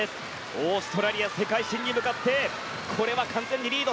オーストラリア世界新に向かってこれは完全にリード。